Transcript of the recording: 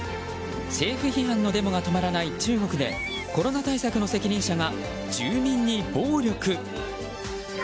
政府批判のデモが止まらない中国でコロナ対策の責任者が住民に暴力。